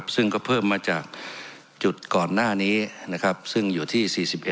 ซึ่งก็เพิ่มมาจากจุดก่อนหน้านี้ซึ่งอยู่ที่๔๑